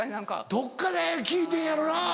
どっかで聞いてんやろな。